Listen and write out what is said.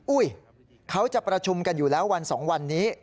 เขาจะประชุมกันอยู่แล้ววัน๒วันนี้